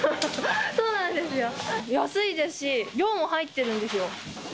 そうなんですよ、安いですし、量も入ってるんですよ。